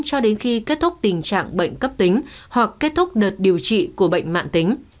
cho đến khi kết thúc tình trạng bệnh cấp tính hoặc kết thúc đợt điều trị của bệnh mạng tính